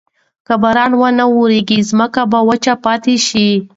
که باران ونه وریږي، ځمکه به وچه پاتې شي.